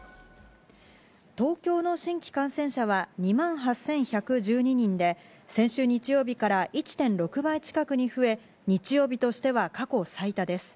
東京の新規感染者は２万８１１２人で先週日曜日から１．６倍近くに増え、日曜日としては過去最多です。